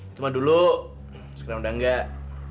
itu mah dulu sekarang udah enggak